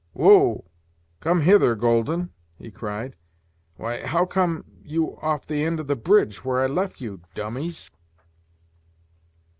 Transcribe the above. "Woa come hither, Golden," he cried; "why, how come you off the end of the bridge, where I left you, dummies?"